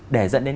để dẫn đến